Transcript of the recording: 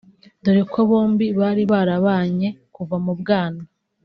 dore ko bombi bari barabanye kuva mu bwana